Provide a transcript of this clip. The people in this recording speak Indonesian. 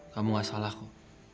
kamu gak salah kok